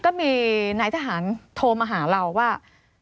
ก็มีนายทหารโทรมาหาเราว่า